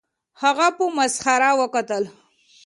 هغه په مسخره وکتل